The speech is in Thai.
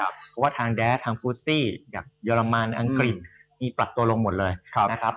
เพราะว่าทางแดดทางฟูสซี่อย่างเยอรมันอังกฤษมีปรับตัวลงหมดเลยนะครับ